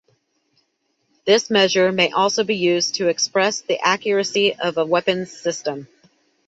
This measure may also be used to express the accuracy of a weapon system.